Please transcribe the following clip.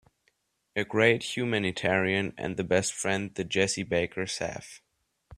A great humanitarian and the best friend the Jessie Bakers have.